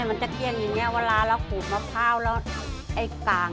ทางใต้ก็เรียกขนมโคล่กัน